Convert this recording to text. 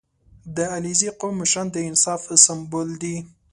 • د علیزي قوم مشران د انصاف سمبول دي.